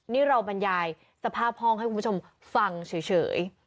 นี่เราบรรยายสภาพห้องให้คุณผู้ชมฟังเฉย